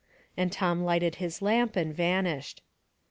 And Tom lighted his lamp and vanished.